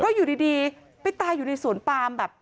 แล้วอยู่ดีไปตายอยู่ในสวนปามแบบ